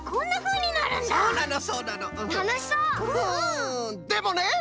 うんでもね！